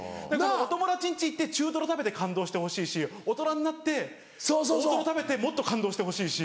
お友達ん家行って中トロ食べて感動してほしいし大人になって大トロ食べてもっと感動してほしいし。